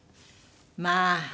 まあ！